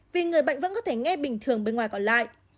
vì người bệnh vẫn có thể nghe bình thường bên ngoài còn lại